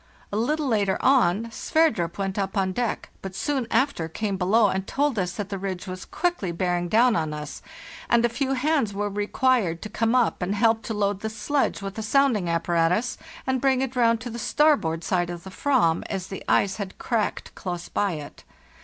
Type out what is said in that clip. A little later on Sverdrup went up on deck, but soon after came below and told us that the ridge was quickly bearing down on us, and a few hands were required to come up and help to load the sledge with the sounding apparatus, and bring it round to the starboard side of the "vam, as the ice had cracked close by it.